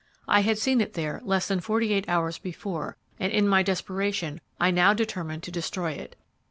I had seen it there less than forty eight hours before, and in my desperation I now determined to destroy it.